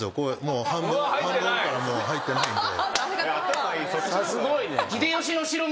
半分からもう入ってないんで。